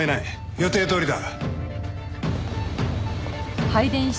予定どおりだ。